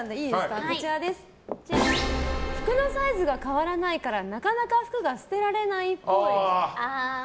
服のサイズが変わらないからなかなか服が捨てられないっぽい。